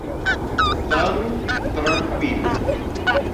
Staru trankvile!